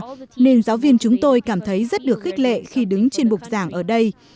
những trường samatha nên giáo viên chúng tôi cảm thấy rất được khích lệ khi đứng trên bục giảng ở đây